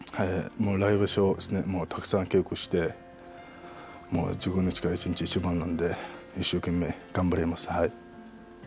来場所たくさん稽古して、１日一番なんで一生懸命頑張ります、はい。